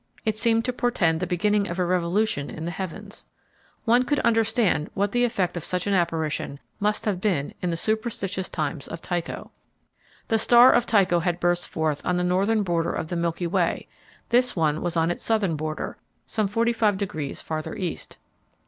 It seemed to portend the beginning of a revolution in the heavens. One could understand what the effect of such an apparition must have been in the superstitious times of Tycho. The star of Tycho had burst forth on the northern border of the Milky Way; this one was on its southern border, some forty five degrees farther east.